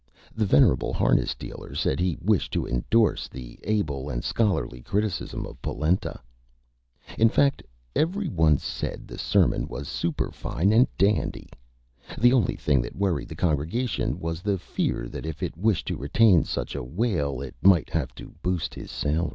The venerable Harness Dealer said he wished to indorse the Able and Scholarly Criticism of Polenta. In fact, every one said the Sermon was Superfine and Dandy. The only thing that worried the Congregation was the Fear that if it wished to retain such a Whale it might have to Boost his Salary.